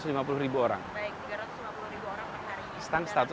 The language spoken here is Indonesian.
baik tiga ratus lima puluh ribu orang per hari